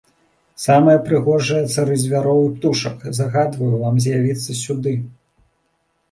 Самыя прыгожыя цары звяроў і птушак, загадваю вам з'явіцца сюды!